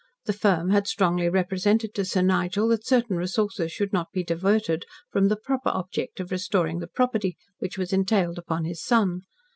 The firm had strongly represented to Sir Nigel that certain resources should not be diverted from the proper object of restoring the property, which was entailed upon his son.